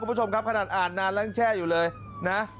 คุณผู้ชมครับขนาดอ่านนานแล้วยังแช่อยู่เลยนะ